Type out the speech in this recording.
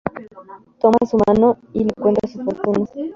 Toma su mano y le cuenta su fortuna.